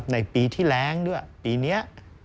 ในปีที่แรงด้วยปีนี้